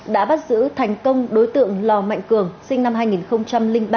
đã bắt giữ thành công đối tượng lò mạnh cường sinh năm hai nghìn ba